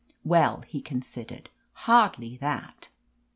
"Well," he considered, "hardly that.